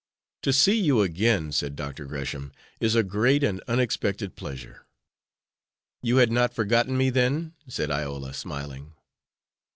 "To see you again," said Dr. Gresham, "is a great and unexpected pleasure." "You had not forgotten me, then?" said Iola, smiling.